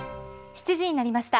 ７時になりました。